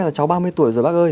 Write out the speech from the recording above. là cháu ba mươi tuổi rồi bác ơi